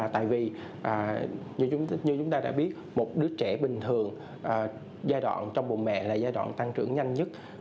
tại vì như chúng ta đã biết một đứa trẻ bình thường giai đoạn trong bù mẹ là giai đoạn tăng trưởng nhanh nhất